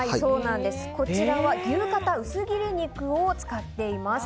こちらは牛肩薄切り肉を使っています。